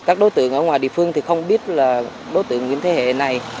các đối tượng ở ngoài địa phương thì không biết là đối tượng nguyễn thế hệ này